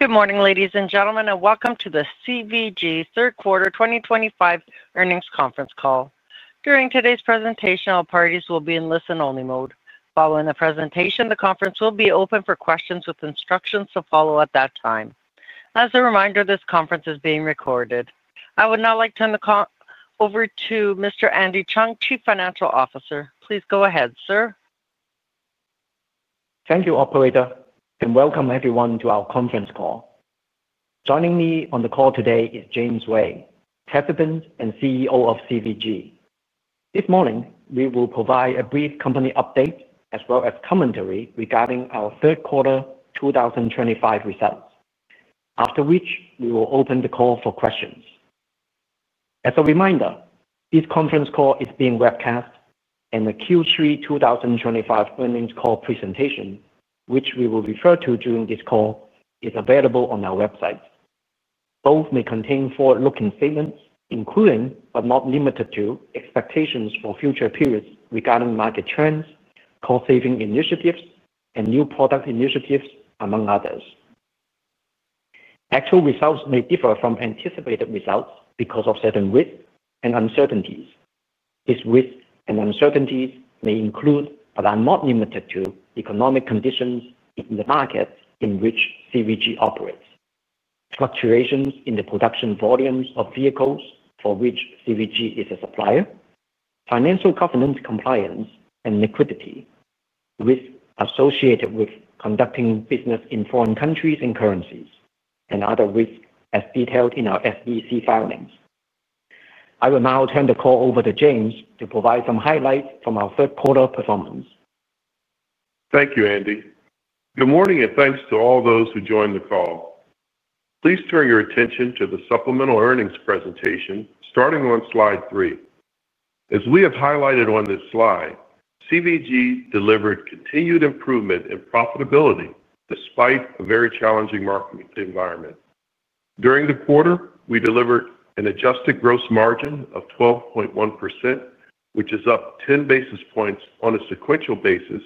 Good morning, ladies and gentlemen, and welcome to the CVG Third Quarter 2025 Earnings Conference Call. During today's presentation, all parties will be in listen-only mode. Following the presentation, the conference will be open for questions with instructions to follow at that time. As a reminder, this conference is being recorded. I would now like to turn the call over to Mr. Andy Cheung, Chief Financial Officer. Please go ahead, sir. Thank you, Operator, and welcome everyone to our conference call. Joining me on the call today is James Ray, President and CEO of CVG. This morning, we will provide a brief company update as well as commentary regarding our third quarter 2025 results, after which we will open the call for questions. As a reminder, this conference call is being webcast, and the Q3 2025 Earnings Call Presentation, which we will refer to during this call, is available on our website. Both may contain forward-looking statements, including, but not limited to, expectations for future periods regarding market trends, cost-saving initiatives, and new product initiatives, among others. Actual results may differ from anticipated results because of certain risks and uncertainties. These risks and uncertainties may include, but are not limited to, economic conditions in the markets in which CVG operates, fluctuations in the production volumes of vehicles for which CVG is a supplier, financial governance compliance and liquidity, risks associated with conducting business in foreign countries and currencies, and other risks as detailed in our SEC filings. I will now turn the call over to James to provide some highlights from our Third Quarter performance. Thank you, Andy. Good morning and thanks to all those who joined the call. Please turn your attention to the supplemental earnings presentation starting on slide three. As we have highlighted on this slide, CVG delivered continued improvement in profitability despite a very challenging market environment. During the quarter, we delivered an adjusted gross margin of 12.1%, which is up 10 basis points on a sequential basis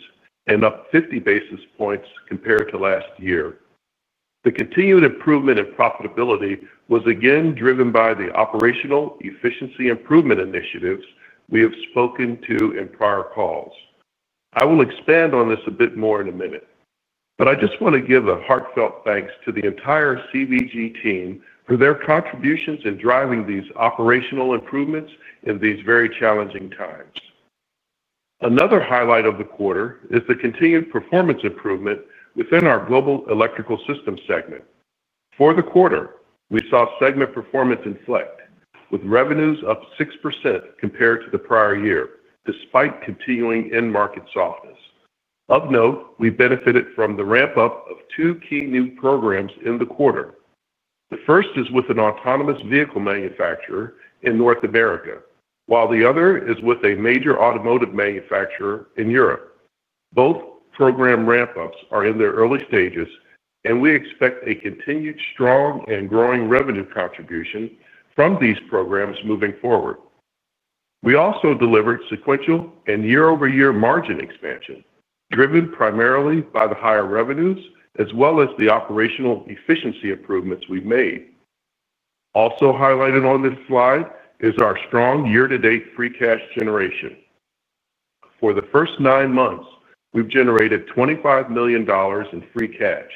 and up 50 basis points compared to last year. The continued improvement in profitability was again driven by the operational efficiency improvement initiatives we have spoken to in prior calls. I will expand on this a bit more in a minute, but I just want to give a heartfelt thanks to the entire CVG team for their contributions in driving these operational improvements in these very challenging times. Another highlight of the quarter is the continued performance improvement within our global electrical systems segment. For the quarter, we saw segment performance inflect, with revenues up 6% compared to the prior year, despite continuing in-market softness. Of note, we benefited from the ramp-up of two key new programs in the quarter. The first is with an autonomous vehicle manufacturer in North America, while the other is with a major automotive manufacturer in Europe. Both program ramp-ups are in their early stages, and we expect a continued strong and growing revenue contribution from these programs moving forward. We also delivered sequential and year-over-year margin expansion, driven primarily by the higher revenues as well as the operational efficiency improvements we have made. Also highlighted on this slide is our strong year-to-date free cash generation. For the first nine months, we've generated $25 million in free cash,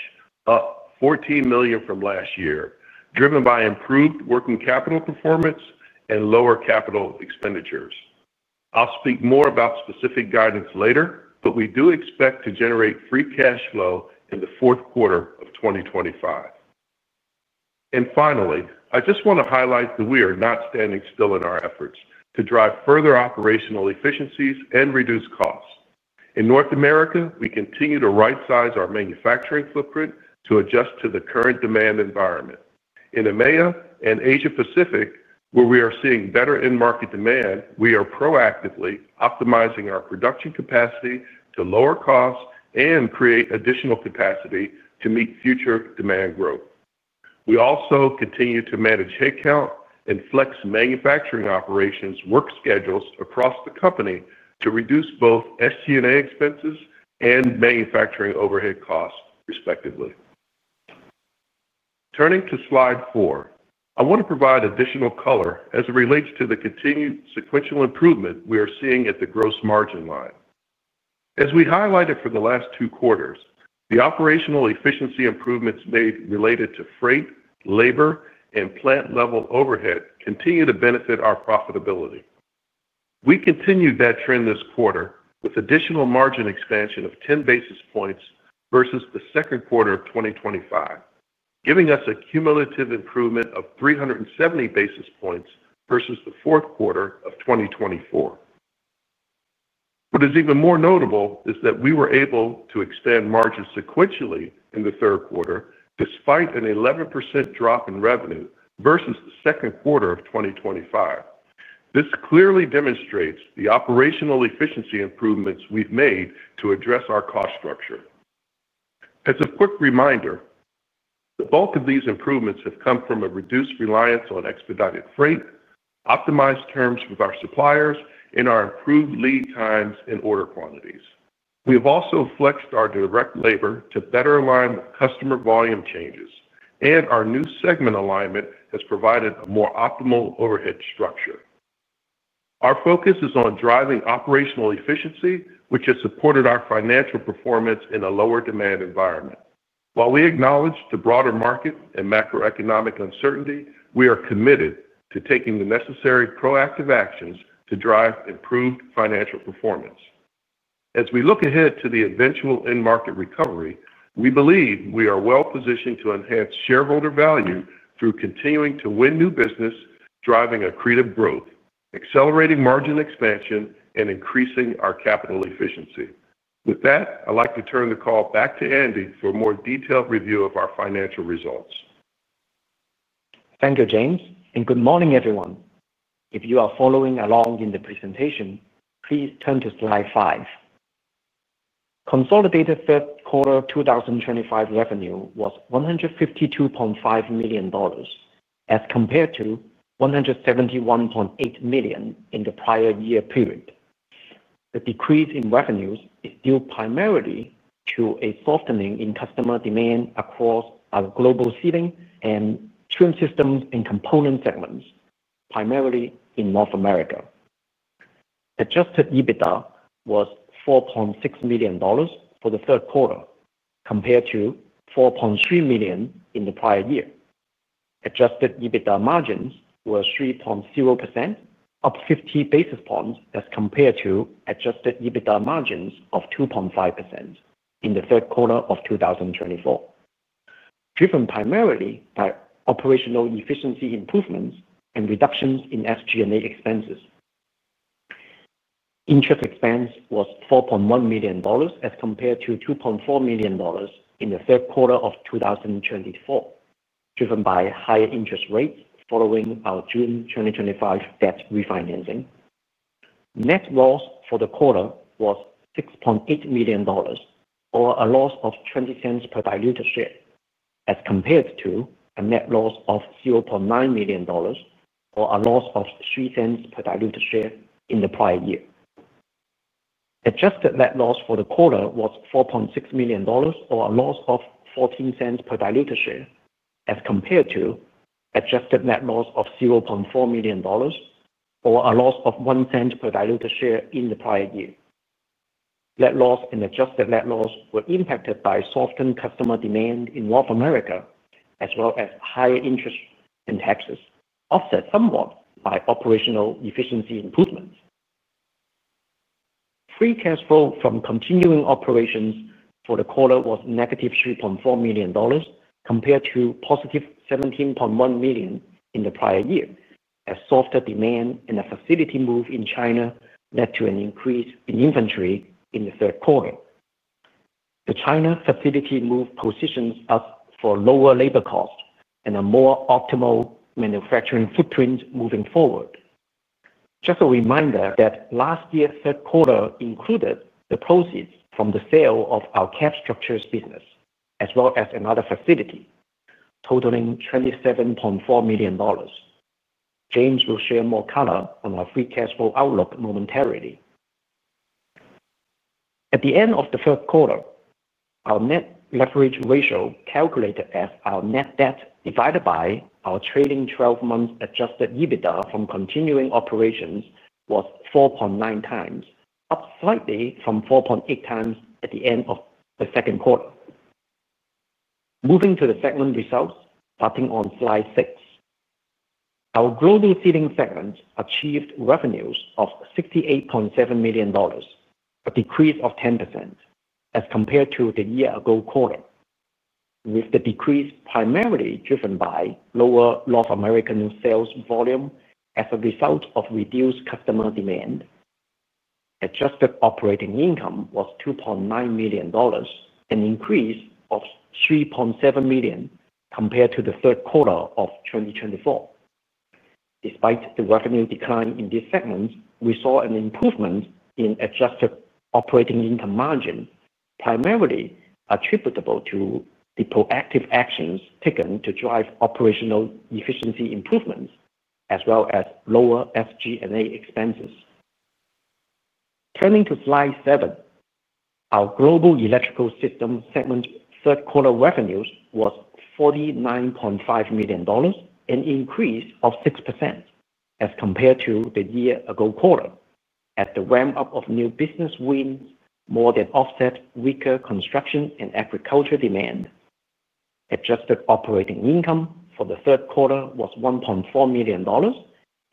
up $14 million from last year, driven by improved working capital performance and lower capital expenditures. I'll speak more about specific guidance later, but we do expect to generate free cash flow in the fourth quarter of 2025. Finally, I just want to highlight that we are not standing still in our efforts to drive further operational efficiencies and reduce costs. In North America, we continue to right-size our manufacturing footprint to adjust to the current demand environment. In EMEA and Asia-Pacific, where we are seeing better in-market demand, we are proactively optimizing our production capacity to lower costs and create additional capacity to meet future demand growth. We also continue to manage headcount and flex manufacturing operations work schedules across the company to reduce both SG&A expenses and manufacturing overhead costs, respectively. Turning to slide four, I want to provide additional color as it relates to the continued sequential improvement we are seeing at the gross margin line. As we highlighted for the last two quarters, the operational efficiency improvements made related to freight, labor, and plant-level overhead continue to benefit our profitability. We continued that trend this quarter with additional margin expansion of 10 basis points versus the second quarter of 2025, giving us a cumulative improvement of 370 basis points versus the fourth quarter of 2024. What is even more notable is that we were able to expand margins sequentially in the third quarter despite an 11% drop in revenue versus the second quarter of 2025. This clearly demonstrates the operational efficiency improvements we've made to address our cost structure. As a quick reminder, the bulk of these improvements have come from a reduced reliance on expedited freight, optimized terms with our suppliers, and our improved lead times and order quantities. We have also flexed our direct labor to better align with customer volume changes, and our new segment alignment has provided a more optimal overhead structure. Our focus is on driving operational efficiency, which has supported our financial performance in a lower demand environment. While we acknowledge the broader market and macroeconomic uncertainty, we are committed to taking the necessary proactive actions to drive improved financial performance. As we look ahead to the eventual in-market recovery, we believe we are well-positioned to enhance shareholder value through continuing to win new business, driving accretive growth, accelerating margin expansion, and increasing our capital efficiency. With that, I'd like to turn the call back to Andy for a more detailed review of our financial results. Thank you, James, and good morning, everyone. If you are following along in the presentation, please turn to slide five. Consolidated third quarter 2025 revenue was $152.5 million as compared to $171.8 million in the prior year period. The decrease in revenues is due primarily to a softening in customer demand across our global ceiling and trim systems and component segments, primarily in North America. Adjusted EBITDA was $4.6 million for the third quarter, compared to $4.3 million in the prior year. Adjusted EBITDA margins were 3.0%, up 50 basis points as compared to adjusted EBITDA margins of 2.5% in the third quarter of 2024, driven primarily by operational efficiency improvements and reductions in SG&A expenses. Interest expense was $4.1 million as compared to $2.4 million in the third quarter of 2024, driven by higher interest rates following our June 2025 debt refinancing. Net loss for the quarter was $6.8 million, or a loss of $0.20 per diluted share, as compared to a net loss of $0.9 million, or a loss of $0.03 per diluted share in the prior year. Adjusted net loss for the quarter was $4.6 million, or a loss of $0.14 per diluted share, as compared to adjusted net loss of $0.4 million, or a loss of $0.01 per diluted share in the prior year. Net loss and adjusted net loss were impacted by softened customer demand in North America, as well as higher interest and taxes, offset somewhat by operational efficiency improvements. Free cash flow from continuing operations for the quarter was negative $3.4 million, compared to positive $17.1 million in the prior year, as softer demand and a facility move in China led to an increase in inventory in the third quarter. The China facility move positions us for lower labor costs and a more optimal manufacturing footprint moving forward. Just a reminder that last year's third quarter included the proceeds from the sale of our Cab Structures Business, as well as another facility, totaling $27.4 million. James will share more color on our free cash flow outlook momentarily. At the end of the third quarter, our net leverage ratio, calculated as our net debt divided by our trailing 12-month adjusted EBITDA from continuing operations, was 4.9 times, up slightly from 4.8 times at the end of the second quarter. Moving to the segment results, starting on slide six, our global ceiling segment achieved revenues of $68.7 million, a decrease of 10% as compared to the year-ago quarter. With the decrease primarily driven by lower North American sales volume as a result of reduced customer demand, adjusted operating income was $2.9 million, an increase of $3.7 million compared to the third quarter of 2024. Despite the revenue decline in this segment, we saw an improvement in adjusted operating income margin, primarily attributable to the proactive actions taken to drive operational efficiency improvements, as well as lower SG&A expenses. Turning to slide seven, our global electrical systems segment third quarter revenues was $49.5 million, an increase of 6%, as compared to the year-ago quarter, as the ramp-up of new business wins more than offset weaker construction and agriculture demand. Adjusted operating income for the third quarter was $1.4 million,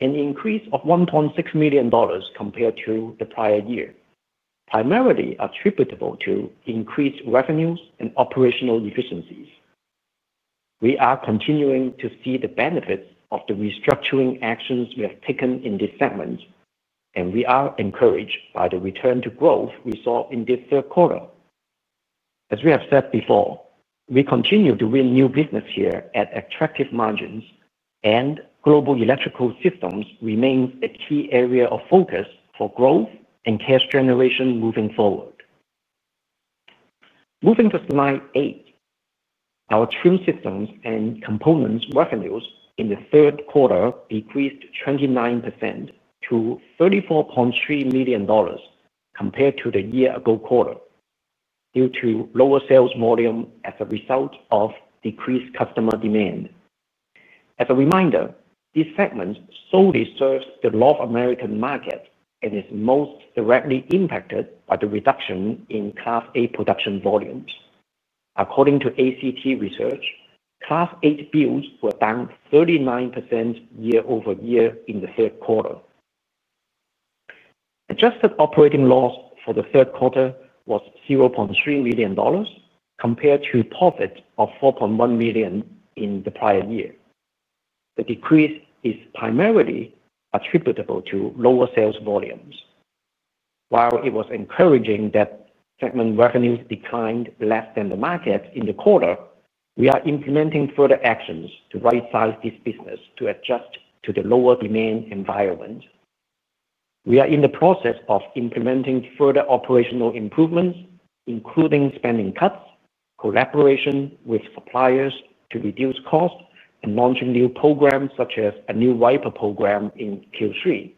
an increase of $1.6 million compared to the prior year, primarily attributable to increased revenues and operational efficiencies. We are continuing to see the benefits of the restructuring actions we have taken in this segment, and we are encouraged by the return to growth we saw in this third quarter. As we have said before, we continue to win new business here at attractive margins, and global electrical systems remain a key area of focus for growth and cash generation moving forward. Moving to slide eight, our trim systems and components revenues in the third quarter decreased 29% to $34.3 million compared to the year-ago quarter, due to lower sales volume as a result of decreased customer demand. As a reminder, this segment solely serves the North American market and is most directly impacted by the reduction in Class 8 production volumes. According to ACT Research, Class 8 builds were down 39% year-over-year in the third quarter. Adjusted operating loss for the third quarter was $0.3 million, compared to profits of $4.1 million in the prior year. The decrease is primarily attributable to lower sales volumes. While it was encouraging that segment revenues declined less than the market in the quarter, we are implementing further actions to right-size this business to adjust to the lower demand environment. We are in the process of implementing further operational improvements, including spending cuts, collaboration with suppliers to reduce costs, and launching new programs such as a new wiper program in Q3,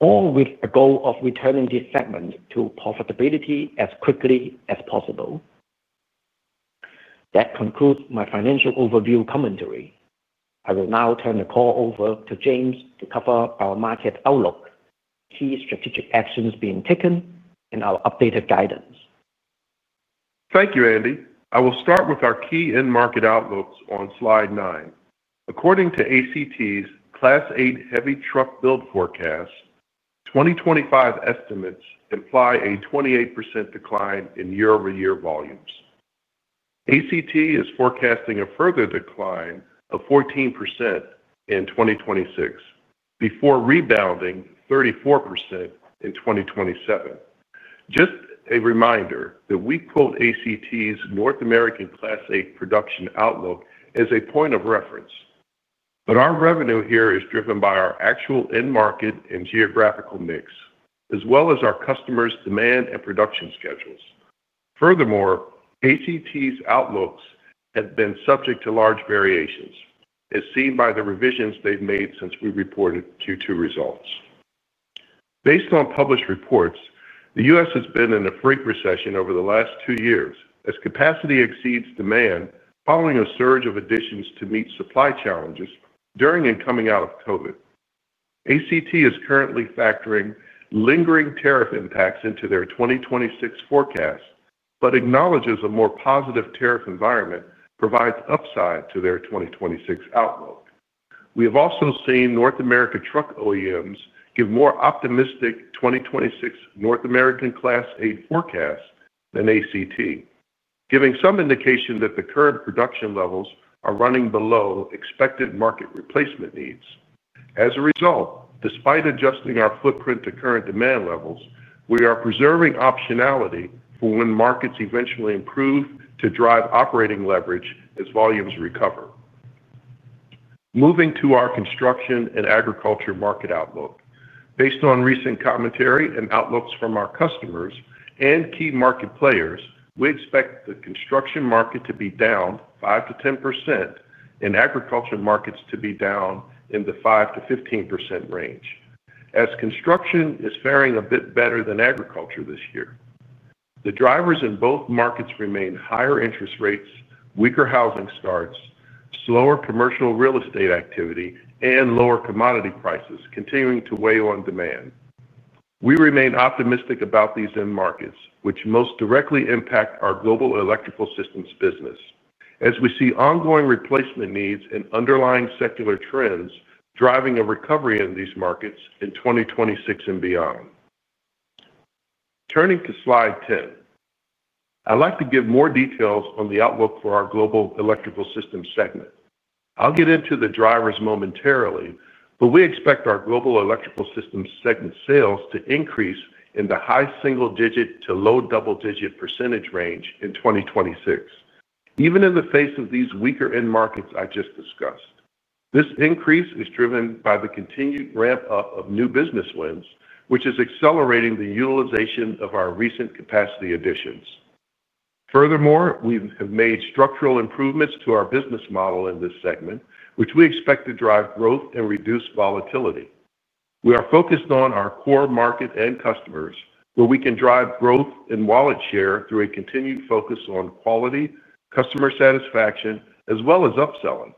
all with a goal of returning this segment to profitability as quickly as possible. That concludes my financial overview commentary. I will now turn the call over to James to cover our market outlook, key strategic actions being taken, and our updated guidance. Thank you, Andy. I will start with our key in-market outlooks on slide nine. According to ACT's Class 8 heavy truck build forecast, 2025 estimates imply a 28% decline in year-over-year volumes. ACT is forecasting a further decline of 14% in 2026, before rebounding 34% in 2027. Just a reminder that we quote ACT's North American Class 8 production outlook as a point of reference, but our revenue here is driven by our actual in-market and geographical mix, as well as our customers' demand and production schedules. Furthermore, ACT's outlooks have been subject to large variations, as seen by the revisions they've made since we reported Q2 results. Based on published reports, the U.S. has been in a freight recession over the last two years, as capacity exceeds demand following a surge of additions to meet supply challenges during and coming out of COVID. ACT is currently factoring lingering tariff impacts into their 2026 forecast, but acknowledges a more positive tariff environment provides upside to their 2026 outlook. We have also seen North America truck OEMs give more optimistic 2026 North American Class 8 forecasts than ACT, giving some indication that the current production levels are running below expected market replacement needs. As a result, despite adjusting our footprint to current demand levels, we are preserving optionality for when markets eventually improve to drive operating leverage as volumes recover. Moving to our construction and agriculture market outlook. Based on recent commentary and outlooks from our customers and key market players, we expect the construction market to be down 5%-10% and agriculture markets to be down in the 5%-15% range, as construction is faring a bit better than agriculture this year. The drivers in both markets remain higher interest rates, weaker housing starts, slower commercial real estate activity, and lower commodity prices continuing to weigh on demand. We remain optimistic about these in-markets, which most directly impact our global electrical systems business, as we see ongoing replacement needs and underlying secular trends driving a recovery in these markets in 2026 and beyond. Turning to slide ten, I'd like to give more details on the outlook for our global electrical systems segment. I'll get into the drivers momentarily, but we expect our global electrical systems segment sales to increase in the high single-digit to low double-digit % range in 2026, even in the face of these weaker in-markets I just discussed. This increase is driven by the continued ramp-up of new business wins, which is accelerating the utilization of our recent capacity additions. Furthermore, we have made structural improvements to our business model in this segment, which we expect to drive growth and reduce volatility. We are focused on our core market and customers, where we can drive growth in wallet share through a continued focus on quality, customer satisfaction, as well as upselling.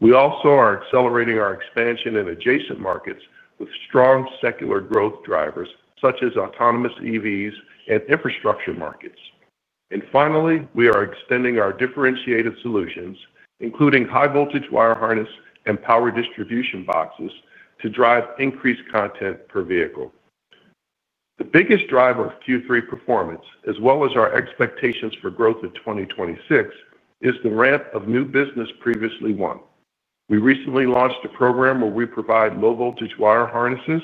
We also are accelerating our expansion in adjacent markets with strong secular growth drivers, such as autonomous EVs and infrastructure markets. We are extending our differentiated solutions, including high-voltage wire harness and power distribution boxes, to drive increased content per vehicle. The biggest driver of Q3 performance, as well as our expectations for growth in 2026, is the ramp of new business previously won. We recently launched a program where we provide low-voltage wire harnesses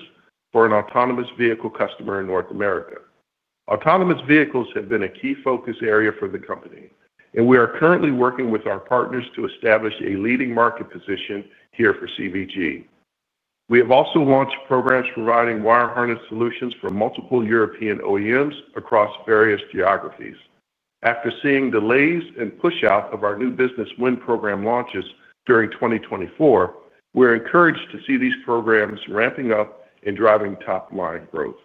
for an autonomous vehicle customer in North America. Autonomous vehicles have been a key focus area for the company, and we are currently working with our partners to establish a leading market position here for CVG. We have also launched programs providing wire harness solutions for multiple European OEMs across various geographies. After seeing delays and push-out of our new business win program launches during 2024, we're encouraged to see these programs ramping up and driving top-line growth.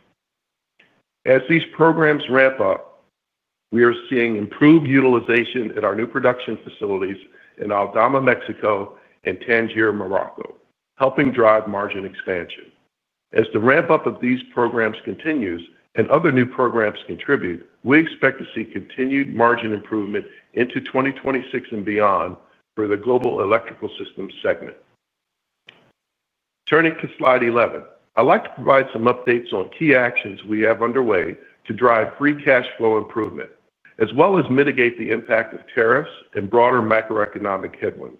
As these programs ramp up, we are seeing improved utilization at our new production facilities in Aldama, Mexico, and Tangier, Morocco, helping drive margin expansion. As the ramp-up of these programs continues and other new programs contribute, we expect to see continued margin improvement into 2026 and beyond for the global electrical systems segment. Turning to slide 11, I'd like to provide some updates on key actions we have underway to drive free cash flow improvement, as well as mitigate the impact of tariffs and broader macroeconomic headwinds.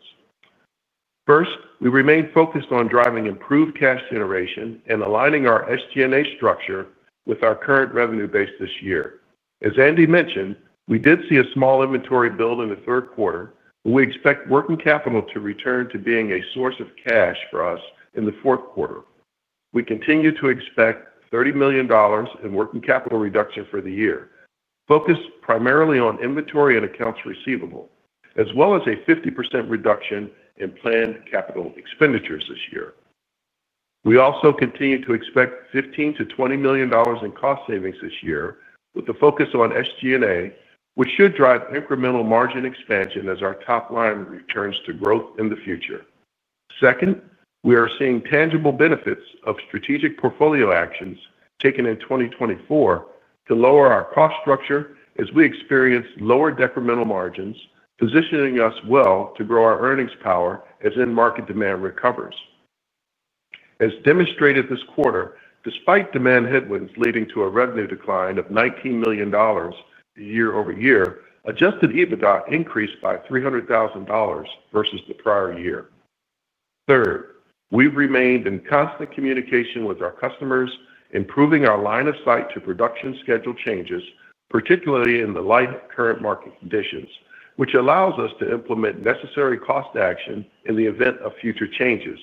First, we remain focused on driving improved cash generation and aligning our SG&A structure with our current revenue base this year. As Andy mentioned, we did see a small inventory build in the third quarter, but we expect working capital to return to being a source of cash for us in the fourth quarter. We continue to expect $30 million in working capital reduction for the year, focused primarily on inventory and accounts receivable, as well as a 50% reduction in planned capital expenditures this year. We also continue to expect $15-$20 million in cost savings this year, with the focus on SG&A, which should drive incremental margin expansion as our top-line returns to growth in the future. Second, we are seeing tangible benefits of strategic portfolio actions taken in 2024 to lower our cost structure as we experience lower decremental margins, positioning us well to grow our earnings power as in-market demand recovers. As demonstrated this quarter, despite demand headwinds leading to a revenue decline of $19 million year-over-year, adjusted EBITDA increased by $300,000 versus the prior year. Third, we've remained in constant communication with our customers, improving our line of sight to production schedule changes, particularly in the current market conditions, which allows us to implement necessary cost action in the event of future changes.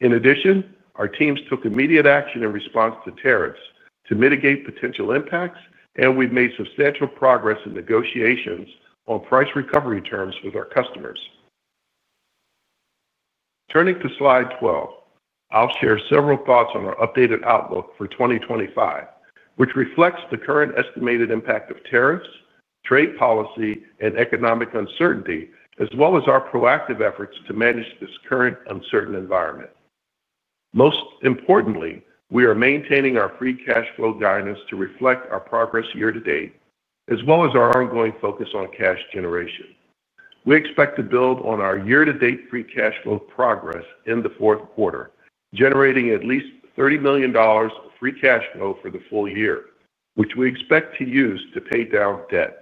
In addition, our teams took immediate action in response to tariffs to mitigate potential impacts, and we've made substantial progress in negotiations on price recovery terms with our customers. Turning to slide 12, I'll share several thoughts on our updated outlook for 2025, which reflects the current estimated impact of tariffs, trade policy, and economic uncertainty, as well as our proactive efforts to manage this current uncertain environment. Most importantly, we are maintaining our free cash flow guidance to reflect our progress year-to-date, as well as our ongoing focus on cash generation. We expect to build on our year-to-date free cash flow progress in the fourth quarter, generating at least $30 million of free cash flow for the full year, which we expect to use to pay down debt.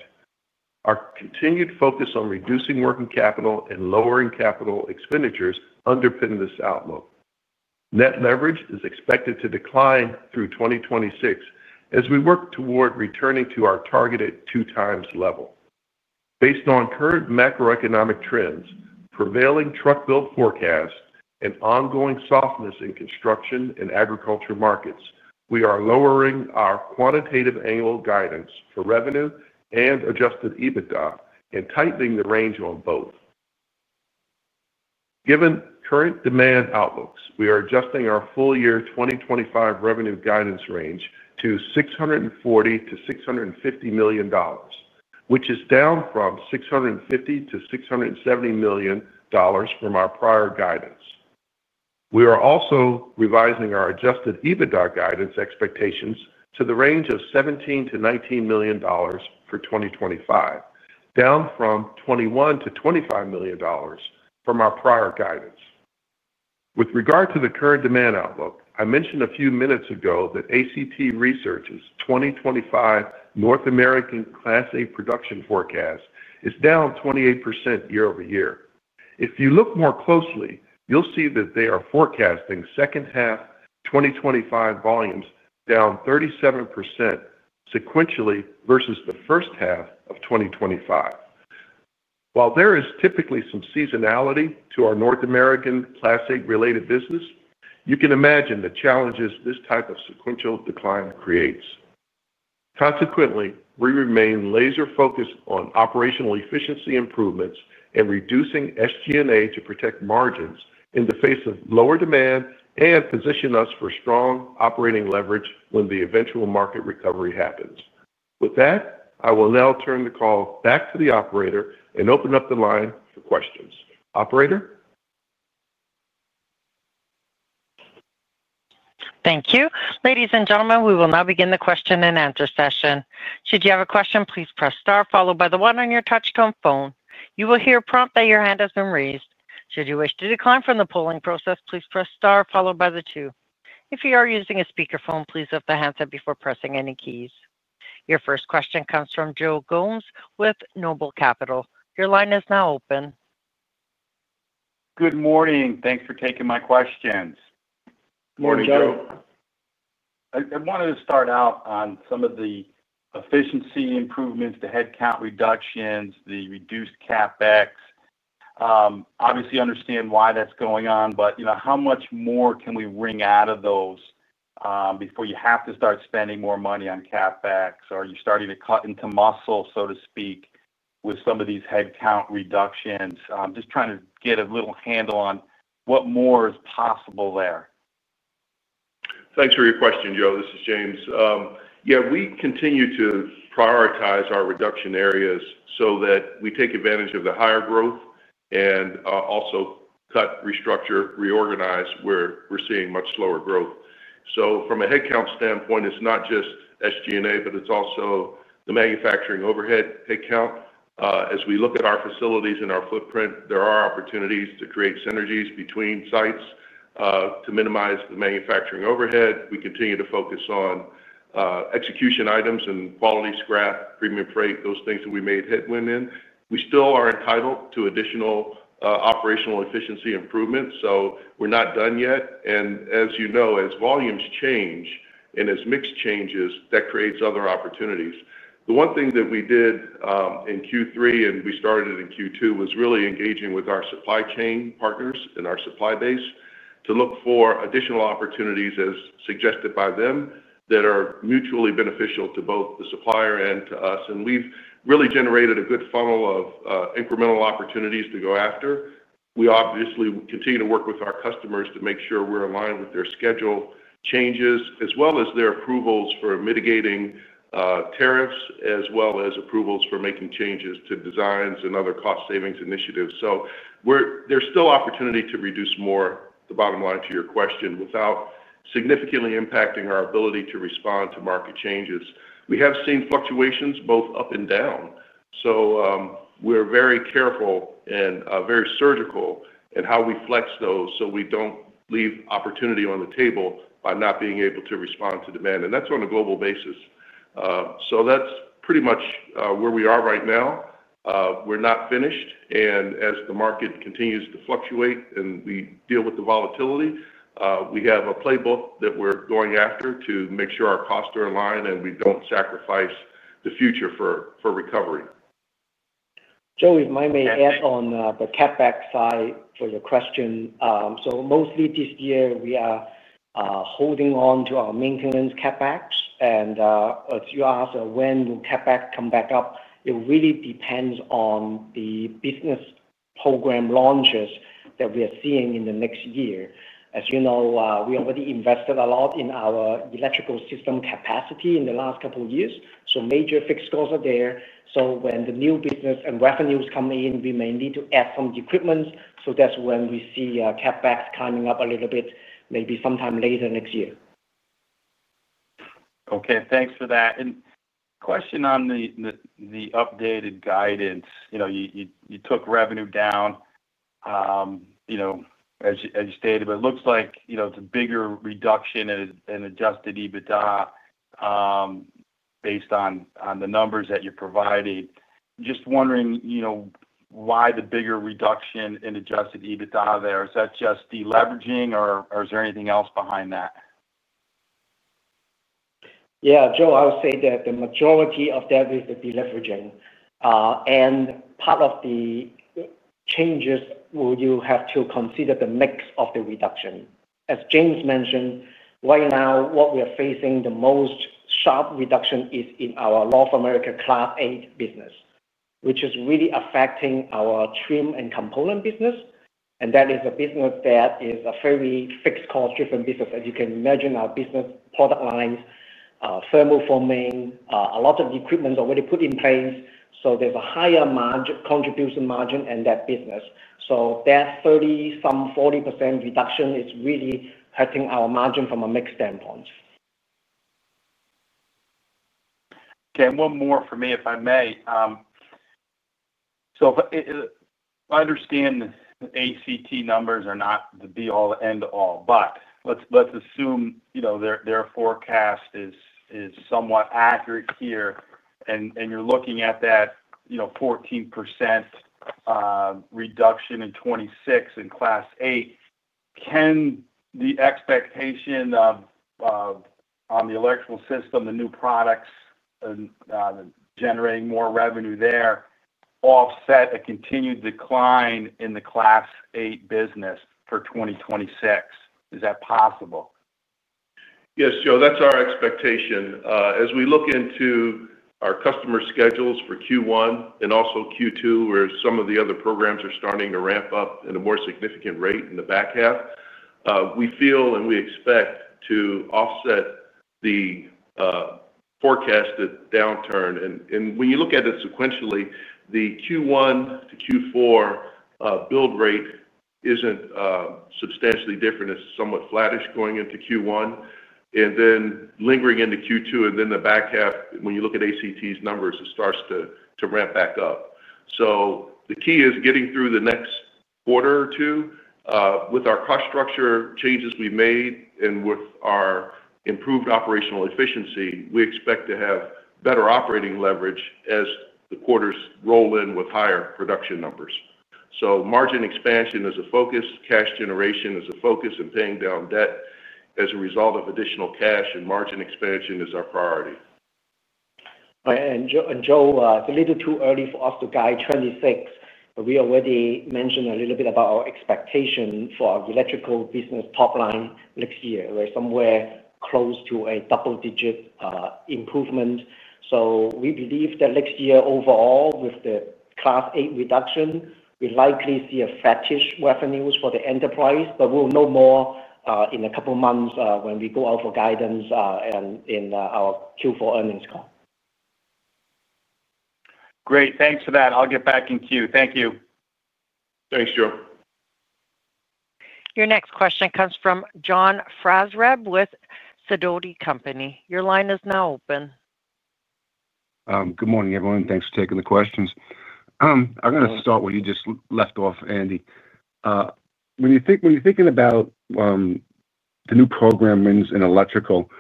Our continued focus on reducing working capital and lowering capital expenditures underpins this outlook. Net leverage is expected to decline through 2026 as we work toward returning to our targeted two-times level. Based on current macroeconomic trends, prevailing truck build forecasts, and ongoing softness in construction and agriculture markets, we are lowering our quantitative annual guidance for revenue and adjusted EBITDA, and tightening the range on both. Given current demand outlooks, we are adjusting our full-year 2025 revenue guidance range to $640 million-$650 million, which is down from $650 million-$670 million from our prior guidance. We are also revising our adjusted EBITDA guidance expectations to the range of $17 million-$19 million for 2025, down from $21 million-$25 million from our prior guidance. With regard to the current demand outlook, I mentioned a few minutes ago that ACT Research's 2025 North American Class 8 production forecast is down 28% year-over-year. If you look more closely, you'll see that they are forecasting second-half 2025 volumes down 37% sequentially versus the first half of 2025. While there is typically some seasonality to our North American Class 8-related business, you can imagine the challenges this type of sequential decline creates. Consequently, we remain laser-focused on operational efficiency improvements and reducing SG&A to protect margins in the face of lower demand and position us for strong operating leverage when the eventual market recovery happens. With that, I will now turn the call back to the operator and open up the line for questions. Operator? Thank you. Ladies and gentlemen, we will now begin the question-and-answer session. Should you have a question, please press star, followed by the one on your touch-tone phone. You will hear a prompt that your hand has been raised. Should you wish to decline from the polling process, please press star, followed by the two. If you are using a speakerphone, please lift the handset before pressing any keys. Your first question comes from Joe Gomes with Noble Capital. Your line is now open. Good morning. Thanks for taking my questions. Good morning, Joe. Morning, Joe. I wanted to start out on some of the efficiency improvements, the headcount reductions, the reduced CapEx. Obviously, I understand why that's going on, but how much more can we wring out of those before you have to start spending more money on CapEx? Are you starting to cut into muscle, so to speak, with some of these headcount reductions? Just trying to get a little handle on what more is possible there. Thanks for your question, Joe. This is James. Yeah, we continue to prioritize our reduction areas so that we take advantage of the higher growth and also cut, restructure, reorganize where we're seeing much slower growth. From a headcount standpoint, it's not just SG&A, but it's also the manufacturing overhead headcount. As we look at our facilities and our footprint, there are opportunities to create synergies between sites to minimize the manufacturing overhead. We continue to focus on execution items and quality scrap, premium freight, those things that we made headwind in. We still are entitled to additional operational efficiency improvements, so we're not done yet. As you know, as volumes change and as mix changes, that creates other opportunities. The one thing that we did in Q3, and we started it in Q2, was really engaging with our supply chain partners and our supply base to look for additional opportunities, as suggested by them, that are mutually beneficial to both the supplier and to us. We have really generated a good funnel of incremental opportunities to go after. We obviously continue to work with our customers to make sure we are aligned with their schedule changes, as well as their approvals for mitigating tariffs, as well as approvals for making changes to designs and other cost savings initiatives. There is still opportunity to reduce more, the bottom line to your question, without significantly impacting our ability to respond to market changes. We have seen fluctuations both up and down, so we're very careful and very surgical in how we flex those so we don't leave opportunity on the table by not being able to respond to demand. That is on a global basis. That is pretty much where we are right now. We're not finished. As the market continues to fluctuate and we deal with the volatility, we have a playbook that we're going after to make sure our costs are in line and we don't sacrifice the future for recovery. Joe, if I may add on the CapEx side for your question. Mostly this year, we are holding on to our maintenance CapEx. If you ask when will CapEx come back up, it really depends on the business program launches that we are seeing in the next year. As you know, we already invested a lot in our electrical system capacity in the last couple of years. Major fixed costs are there. When the new business and revenues come in, we may need to add some equipment. That is when we see CapEx coming up a little bit, maybe sometime later next year. Okay. Thanks for that. Question on the updated guidance. You took revenue down, as you stated, but it looks like it's a bigger reduction in adjusted EBITDA based on the numbers that you're providing. Just wondering why the bigger reduction in adjusted EBITDA there. Is that just deleveraging, or is there anything else behind that? Yeah, Joe, I would say that the majority of that is the deleveraging. Part of the changes will you have to consider the mix of the reduction. As James mentioned, right now, what we are facing the most sharp reduction is in our North America Class 8 business, which is really affecting our trim and component business. That is a business that is a very fixed cost-driven business. As you can imagine, our business product lines, thermal forming, a lot of equipment already put in place. There is a higher contribution margin in that business. That 30-some 40% reduction is really hurting our margin from a mix standpoint. Okay. And one more for me, if I may. I understand the ACT numbers are not the be-all, end-all, but let's assume their forecast is somewhat accurate here, and you're looking at that 14% reduction in 2026 in Class 8. Can the expectation on the electrical system, the new products, and generating more revenue there offset a continued decline in the Class 8 business for 2026? Is that possible? Yes, Joe. That's our expectation. As we look into our customer schedules for Q1 and also Q2, where some of the other programs are starting to ramp up at a more significant rate in the back half, we feel and we expect to offset the forecasted downturn. When you look at it sequentially, the Q1 to Q4 build rate isn't substantially different. It's somewhat flattish going into Q1, and then lingering into Q2, and then the back half, when you look at ACT's numbers, it starts to ramp back up. The key is getting through the next quarter or two. With our cost structure changes we've made and with our improved operational efficiency, we expect to have better operating leverage as the quarters roll in with higher production numbers. Margin expansion is a focus, cash generation is a focus, and paying down debt as a result of additional cash and margin expansion is our priority. Joe, it's a little too early for us to guide 2026, but we already mentioned a little bit about our expectation for our electrical business top line next year. We're somewhere close to a double-digit improvement. We believe that next year, overall, with the Class 8 reduction, we'll likely see flattish revenues for the enterprise, but we'll know more in a couple of months when we go out for guidance and in our Q4 earnings call. Great. Thanks for that. I'll get back to you. Thank you. Thanks, Joe. Your next question comes from John Franzreb with Sidoti & Company. Your line is now open. Good morning, everyone. Thanks for taking the questions. I'm going to start where you just left off, Andy. When you're thinking about the new programs in electrical,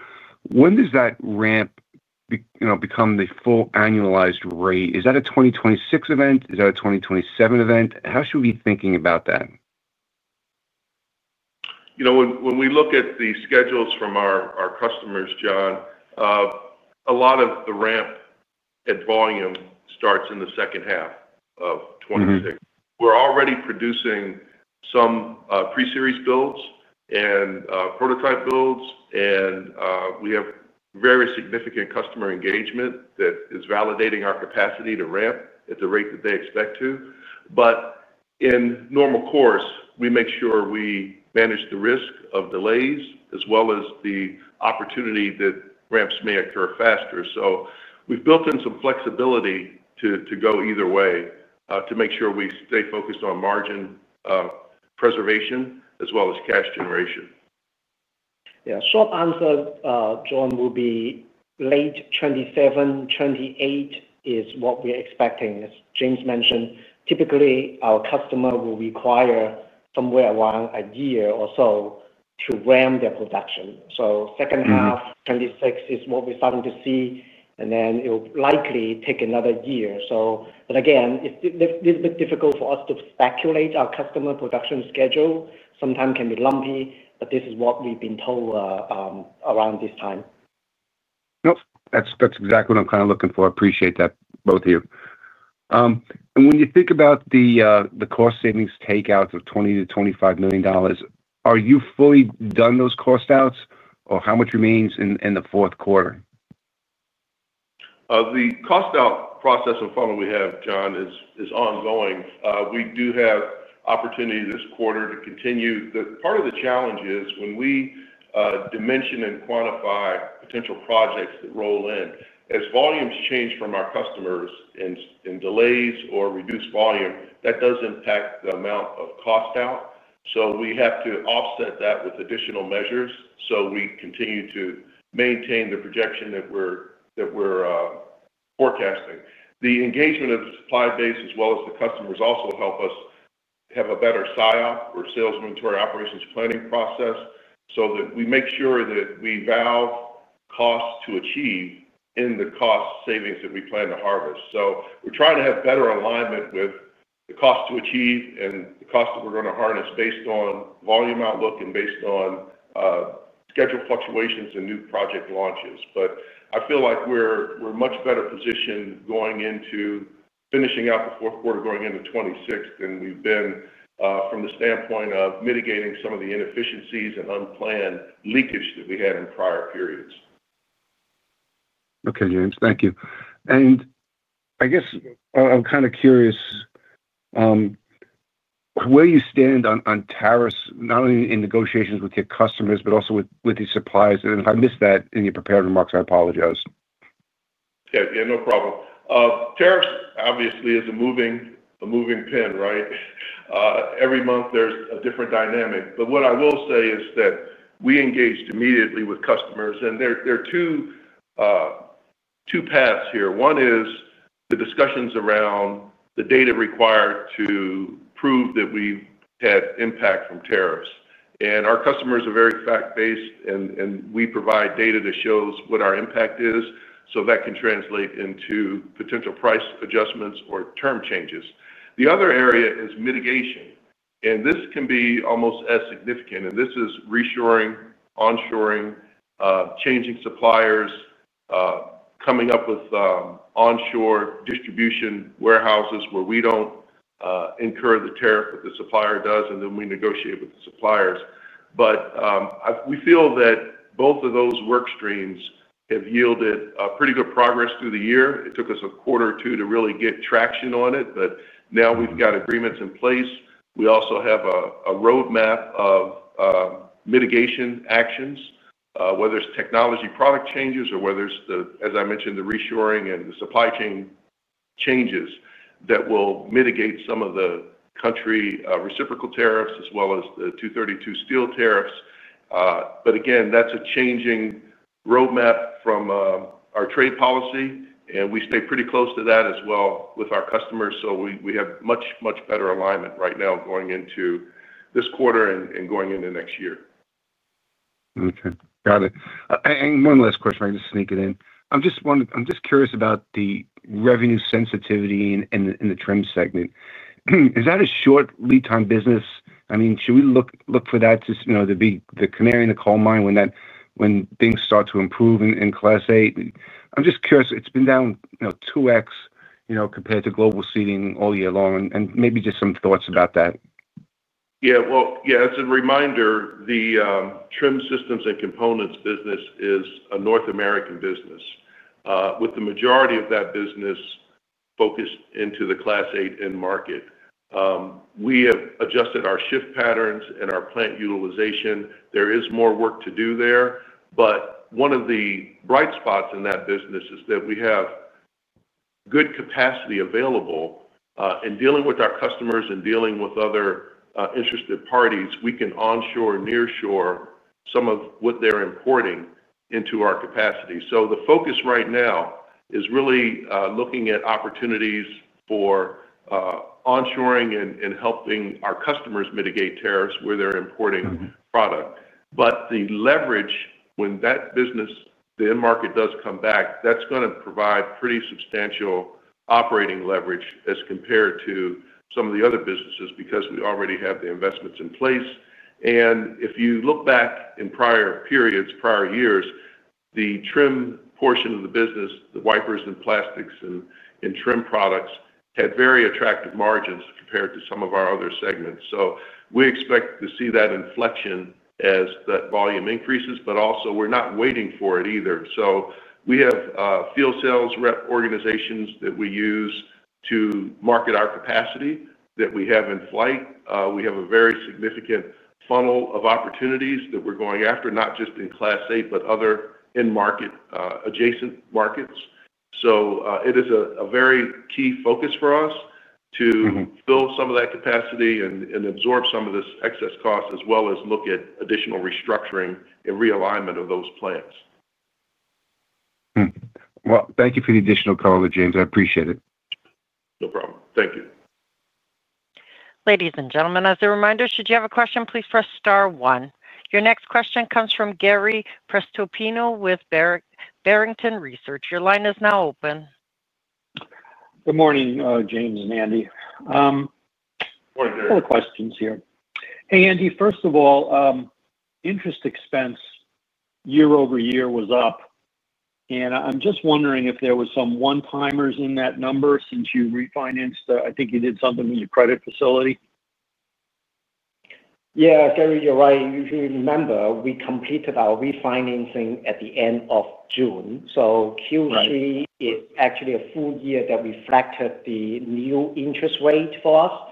when does that ramp become the full annualized rate? Is that a 2026 event? Is that a 2027 event? How should we be thinking about that? When we look at the schedules from our customers, John, a lot of the ramp in volume starts in the second half of 2026. We're already producing some pre-series builds and prototype builds, and we have very significant customer engagement that is validating our capacity to ramp at the rate that they expect to. In normal course, we make sure we manage the risk of delays as well as the opportunity that ramps may occur faster. We have built in some flexibility to go either way to make sure we stay focused on margin preservation as well as cash generation. Yeah. Short answer, John, will be late 2027, 2028 is what we're expecting. As James mentioned, typically, our customer will require somewhere around a year or so to ramp their production. Second half 2026 is what we're starting to see, and then it'll likely take another year. Again, it's a little bit difficult for us to speculate our customer production schedule. Sometimes it can be lumpy, but this is what we've been told around this time. Nope. That's exactly what I'm kind of looking for. I appreciate that, both of you. When you think about the cost savings takeouts of $20-$25 million, are you fully done those cost outs, or how much remains in the fourth quarter? The cost out process and funnel we have, John, is ongoing. We do have opportunity this quarter to continue. Part of the challenge is when we dimension and quantify potential projects that roll in, as volumes change from our customers and delays or reduced volume, that does impact the amount of cost out. We have to offset that with additional measures so we continue to maintain the projection that we're forecasting. The engagement of the supply base as well as the customers also help us have a better silo or salesman to our operations planning process so that we make sure that we valve costs to achieve in the cost savings that we plan to harvest. We are trying to have better alignment with the cost to achieve and the cost that we're going to harness based on volume outlook and based on schedule fluctuations and new project launches. I feel like we're much better positioned going into finishing out the fourth quarter, going into 2026 than we've been from the standpoint of mitigating some of the inefficiencies and unplanned leakage that we had in prior periods. Okay, James. Thank you. I guess I'm kind of curious where you stand on tariffs, not only in negotiations with your customers, but also with your suppliers. If I missed that in your prepared remarks, I apologize. Yeah, yeah, no problem. Tariffs, obviously, is a moving pin, right? Every month, there's a different dynamic. What I will say is that we engaged immediately with customers, and there are two paths here. One is the discussions around the data required to prove that we've had impact from tariffs. Our customers are very fact-based, and we provide data that shows what our impact is so that can translate into potential price adjustments or term changes. The other area is mitigation. This can be almost as significant. This is reassuring, onshoring, changing suppliers, coming up with onshore distribution warehouses where we do not incur the tariff that the supplier does, and then we negotiate with the suppliers. We feel that both of those work streams have yielded pretty good progress through the year. It took us a quarter or two to really get traction on it, but now we've got agreements in place. We also have a roadmap of mitigation actions, whether it's technology product changes or whether it's, as I mentioned, the reshoring and the supply chain changes that will mitigate some of the country reciprocal tariffs as well as the 232 steel tariffs. That is a changing roadmap from our trade policy, and we stay pretty close to that as well with our customers. We have much, much better alignment right now going into this quarter and going into next year. Okay. Got it. One last question. I can just sneak it in. I'm just curious about the revenue sensitivity in the trim segment. Is that a short lead-time business? I mean, should we look for that to be the canary in the coal mine when things start to improve in Class 8? I'm just curious. It's been down 2x compared to global seating all year long. Maybe just some thoughts about that. Yeah. As a reminder, the trim systems and components business is a North American business, with the majority of that business focused into the Class 8 end market. We have adjusted our shift patterns and our plant utilization. There is more work to do there. One of the bright spots in that business is that we have good capacity available. Dealing with our customers and dealing with other interested parties, we can onshore and nearshore some of what they're importing into our capacity. The focus right now is really looking at opportunities for onshoring and helping our customers mitigate tariffs where they're importing product. The leverage, when that business, the end market, does come back, that's going to provide pretty substantial operating leverage as compared to some of the other businesses because we already have the investments in place. If you look back in prior periods, prior years, the trim portion of the business, the wipers and plastics and trim products, had very attractive margins compared to some of our other segments. We expect to see that inflection as that volume increases, but also we're not waiting for it either. We have field sales rep organizations that we use to market our capacity that we have in flight. We have a very significant funnel of opportunities that we're going after, not just in Class 8, but other end market adjacent markets. It is a very key focus for us to fill some of that capacity and absorb some of this excess cost as well as look at additional restructuring and realignment of those plants. Thank you for the additional coverage, James. I appreciate it. No problem. Thank you. Ladies and gentlemen, as a reminder, should you have a question, please press star one. Your next question comes from Gary Prestopino with Barrington Research. Your line is now open. Good morning, James and Andy. Morning, Gary. More questions here. Hey, Andy, first of all, interest expense year over year was up. I'm just wondering if there were some one-timers in that number since you refinanced the—I think you did something with your credit facility. Yeah, Gary, you're right. If you remember, we completed our refinancing at the end of June. Q3 is actually a full year that reflected the new interest rate for us.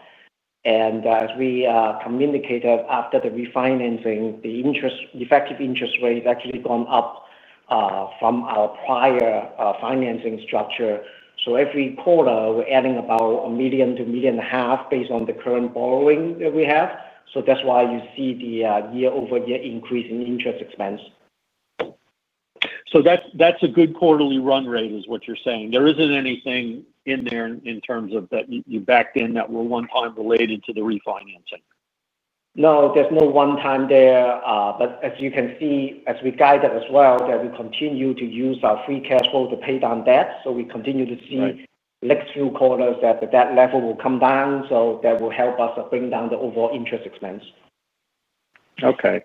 As we communicated after the refinancing, the effective interest rate has actually gone up from our prior financing structure. Every quarter, we're adding about $1 million-$1.5 million based on the current borrowing that we have. That's why you see the year-over-year increase in interest expense. That's a good quarterly run rate, is what you're saying. There isn't anything in there in terms of that you backed in that were one-time related to the refinancing? No, there's no one-time there. As you can see, as we guided as well, we continue to use our free cash flow to pay down debt. We continue to see next few quarters that that level will come down. That will help us bring down the overall interest expense. Okay.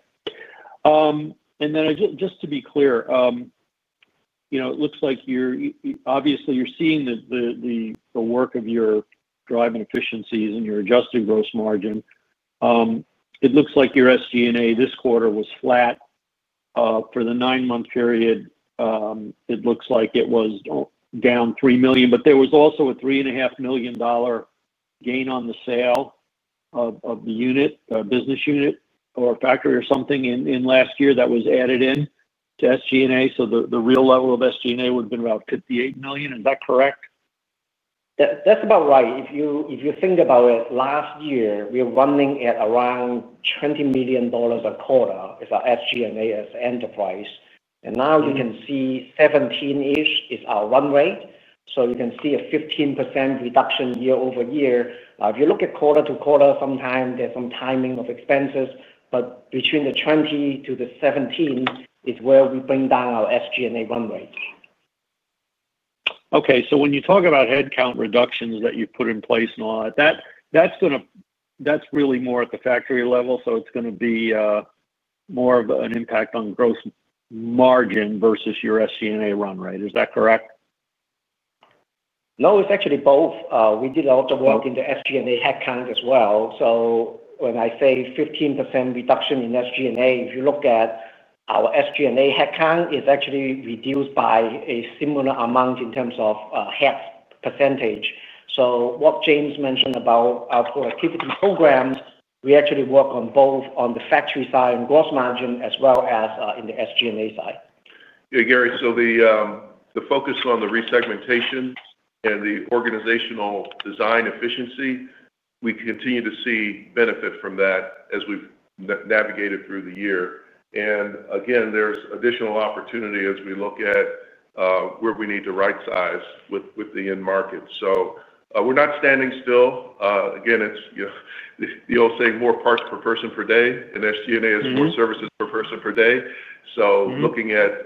Just to be clear, it looks like you're obviously, you're seeing the work of your drive and efficiencies and your adjusted gross margin. It looks like your SG&A this quarter was flat. For the nine-month period, it looks like it was down $3 million. There was also a $3.5 million gain on the sale of the unit, business unit, or factory or something in last year that was added in to SG&A. The real level of SG&A would have been about $58 million. Is that correct? That's about right. If you think about it, last year, we were running at around $20 million a quarter as our SG&A as an enterprise. And now you can see 17-ish is our run rate. You can see a 15% reduction year over year. If you look at quarter to quarter, sometimes there's some timing of expenses. Between the 20 to the 17 is where we bring down our SG&A run rate. Okay. When you talk about headcount reductions that you've put in place and all that, that's really more at the factory level. It's going to be more of an impact on gross margin versus your SG&A run rate. Is that correct? No, it's actually both. We did a lot of work in the SG&A headcount as well. So when I say 15% reduction in SG&A, if you look at our SG&A headcount, it's actually reduced by a similar amount in terms of head percentage. So what James mentioned about our productivity programs, we actually work on both on the factory side and gross margin as well as in the SG&A side. Yeah, Gary. The focus on the resegmentation and the organizational design efficiency, we continue to see benefit from that as we've navigated through the year. Again, there's additional opportunity as we look at where we need to right-size with the end market. We're not standing still. It's the old saying, "More parts per person per day." SG&A is more services per person per day. Looking at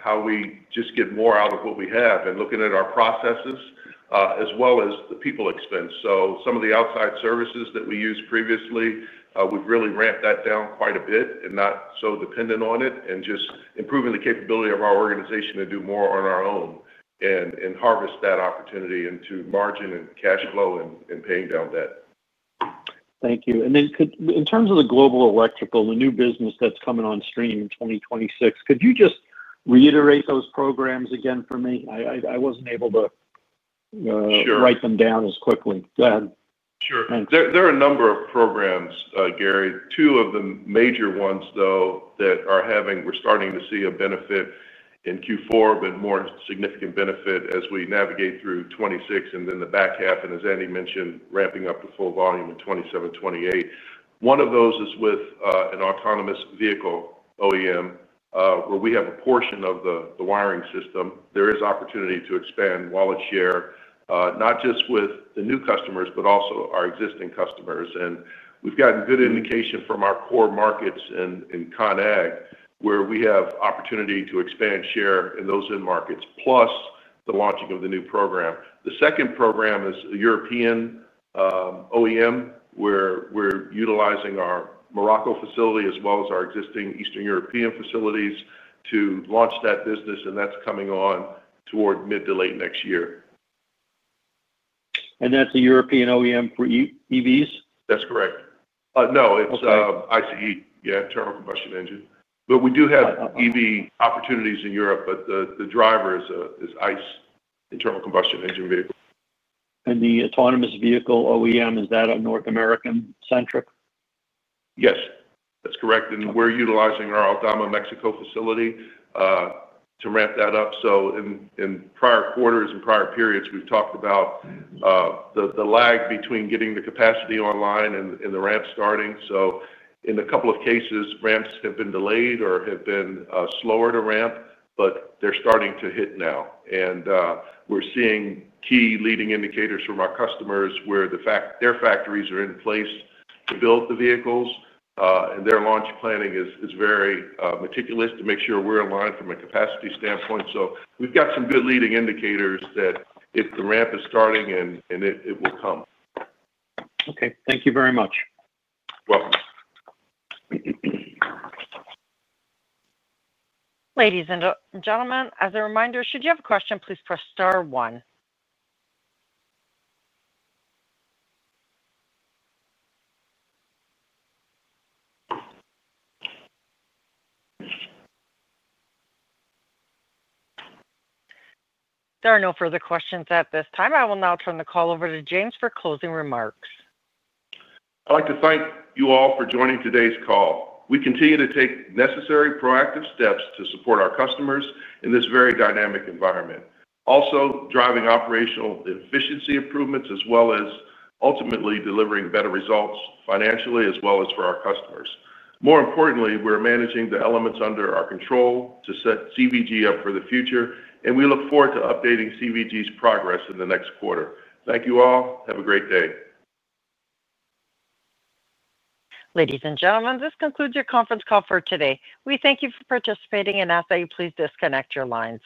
how we just get more out of what we have and looking at our processes as well as the people expense. Some of the outside services that we used previously, we've really ramped that down quite a bit and not so dependent on it and just improving the capability of our organization to do more on our own and harvest that opportunity into margin and cash flow and paying down debt. Thank you. In terms of the global electrical, the new business that's coming on stream in 2026, could you just reiterate those programs again for me? I wasn't able to write them down as quickly. Go ahead. Sure. There are a number of programs, Gary. Two of the major ones, though, that are having—we're starting to see a benefit in Q4, but more significant benefit as we navigate through 2026 and then the back half. As Andy mentioned, ramping up the full volume in 2027, 2028. One of those is with an autonomous vehicle OEM where we have a portion of the wiring system. There is opportunity to expand wallet share, not just with the new customers, but also our existing customers. We've gotten good indication from our core markets in ConAg where we have opportunity to expand share in those end markets, plus the launching of the new program. The second program is a European OEM where we're utilizing our Morocco facility as well as our existing Eastern European facilities to launch that business. That's coming on toward mid to late next year. That's a European OEM for EVs? That's correct. Okay. No, it's ICE, yeah, internal combustion engine. We do have EV opportunities in Europe, but the driver is ICE, internal combustion engine vehicle. The autonomous vehicle OEM, is that a North American-centric? Yes. That's correct. We're utilizing our Aldama, Mexico facility to ramp that up. In prior quarters and prior periods, we've talked about the lag between getting the capacity online and the ramp starting. In a couple of cases, ramps have been delayed or have been slower to ramp, but they're starting to hit now. We're seeing key leading indicators from our customers where their factories are in place to build the vehicles. Their launch planning is very meticulous to make sure we're aligned from a capacity standpoint. We've got some good leading indicators that if the ramp is starting, it will come. Okay. Thank you very much. You're welcome. Ladies and gentlemen, as a reminder, should you have a question, please press star one. There are no further questions at this time. I will now turn the call over to James for closing remarks. I'd like to thank you all for joining today's call. We continue to take necessary proactive steps to support our customers in this very dynamic environment, also driving operational efficiency improvements as well as ultimately delivering better results financially as well as for our customers. More importantly, we're managing the elements under our control to set CVG up for the future. We look forward to updating CVG's progress in the next quarter. Thank you all. Have a great day. Ladies and gentlemen, this concludes your conference call for today. We thank you for participating and ask that you please disconnect your lines.